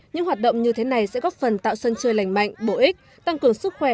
những hoạt động như thế này sẽ góp phần tạo sân chơi lành mạnh bổ ích tăng cường sức khỏe